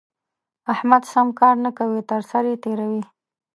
احمد سم کار نه کوي؛ تر سر يې تېروي.